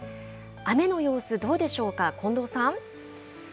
雨の様子、どうでしょうか、近藤さん。